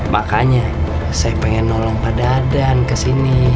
makanya saya pengen nolong pak dadan kesini